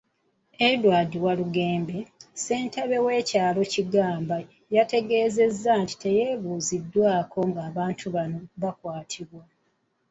Edward Walugembe, ssentebe w'ekyalo Kigamba yategeezezza nti tebeebuuziddwako ng'abantu bano bakwatibwa.